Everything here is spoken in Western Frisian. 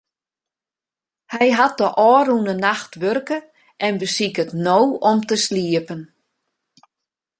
Hy hat de ôfrûne nacht wurke en besiket no om te sliepen.